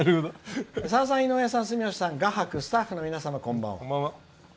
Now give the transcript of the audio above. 「さださん、住吉さん、井上さん画伯、スタッフの皆さんこんばんは。